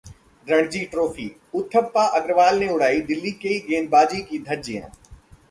Ranji trophy Uthappa, Agarwal ने उड़ाई दिल्ली की गेंदबाजी की धज्जियां